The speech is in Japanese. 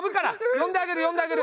呼んであげる呼んであげる！